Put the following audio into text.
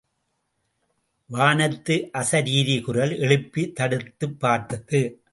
வானத்து அசரீரி குரல் எழுப்பித் தடுத்துப் பார்த்தது.